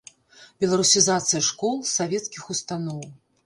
Беларусізацыя школ, савецкіх устаноў.